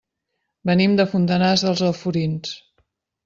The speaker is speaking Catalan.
Venim de Fontanars dels Alforins.